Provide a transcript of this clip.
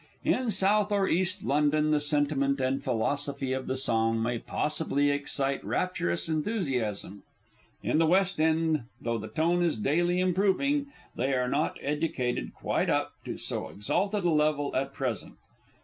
In South or East London, the sentiment and philosophy of the song may possibly excite rapturous enthusiasm; in the West End, though the tone is daily improving, they are not educated quite up to so exalted a level at present.